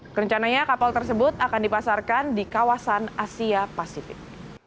kerencananya kapal tersebut akan dipasarkan di kawasan asia pasifik